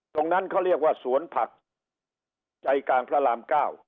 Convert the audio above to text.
ตรงนั้นเขาเรียกว่าสวนผักใจกลางพระราม๙